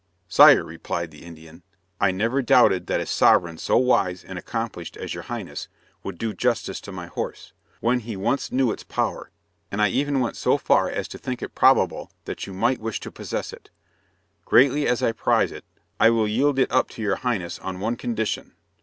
"Sire," replied the Indian, "I never doubted that a sovereign so wise and accomplished as your Highness would do justice to my horse, when he once knew its power; and I even went so far as to think it probable that you might wish to possess it. Greatly as I prize it, I will yield it up to your Highness on one condition.